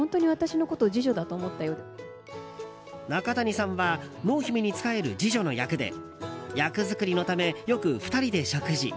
中谷さんは濃姫に仕える侍女の役で役作りのため、よく２人で食事。